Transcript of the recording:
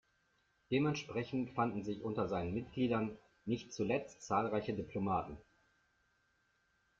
Dementsprechend fanden sich unter seinen Mitgliedern nicht zuletzt zahlreiche Diplomaten.